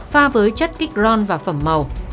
pha với chất kích ron và phẩm màu